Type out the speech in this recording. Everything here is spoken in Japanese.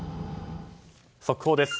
速報です。